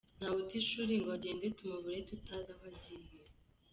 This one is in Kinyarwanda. Ntawe uta ishuri ngo agenda tumubure tutazi aho agiye.